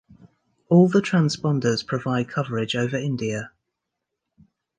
All the transponders provide coverage over India.